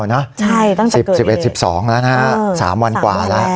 ใช่ตั้งแต่เกิดอีก๑๐๑๒แล้วนะฮะ๓วันกว่าแล้ว